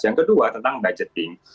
yang kedua tentang budgeting